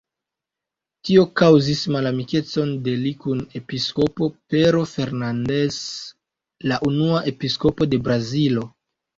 Tio kaŭzis malamikecon de li kun episkopo Pero Fernandes, la unua episkopo de Brazilo.